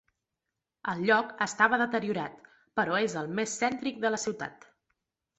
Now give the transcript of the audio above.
El lloc estava deteriorat, però és el més cèntric de la ciutat.